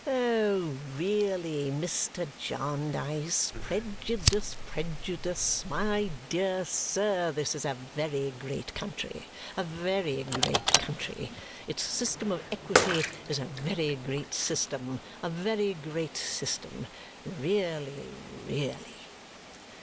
"Oh, really, Mr. Jarndyce! Prejudice, prejudice. My dear sir, this is a very great country, a very great country. Its system of equity is a very great system, a very great system. Really, really!"